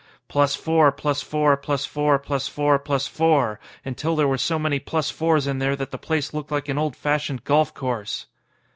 Plus four plus four plus four plus four plus four until there were so many plus fours in there that the place looked like an old fashioned golf course."